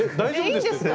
いいんですか？